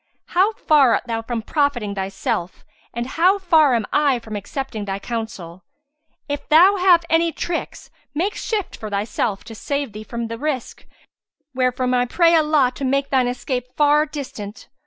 How far art thou from profiting thyself and how far am I from accepting thy counsel! If thou have any tricks, make shift for thyself to save thee from the risk, wherefrom I pray Allah to make thine escape far distant!